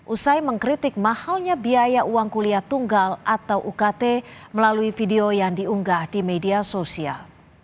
usai mengkritik mahalnya biaya uang kuliah tunggal atau ukt melalui video yang diunggah di media sosial